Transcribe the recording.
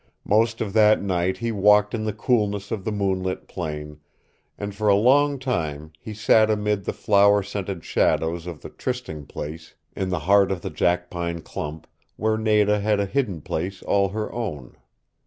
Most of that night he walked in the coolness of the moonlit plain, and for a long time he sat amid the flower scented shadows of the trysting place in the heart of the jackpine clump, where Nada had a hidden place all her own.